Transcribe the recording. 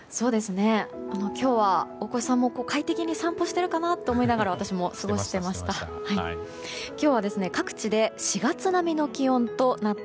今日は大越さんも快適に散歩しているかなと思いながら私も過ごしていました。